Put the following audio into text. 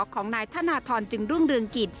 ของนายธนทรจึงรุ่งเรืองกิจ